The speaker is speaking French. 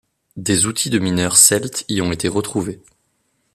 Des outils de mineurs celtes y ont été retrouvés.